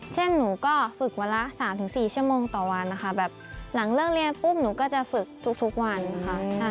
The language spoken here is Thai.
หนูก็ฝึกวันละ๓๔ชั่วโมงต่อวันนะคะแบบหลังเลิกเรียนปุ๊บหนูก็จะฝึกทุกวันค่ะ